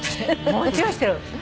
もちろん知ってる。